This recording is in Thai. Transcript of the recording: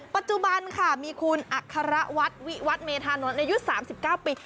ปัจจุบันค่ะมีคุณอัครวัฒน์วิวัตเมธานนท์อายุ๓๙ปี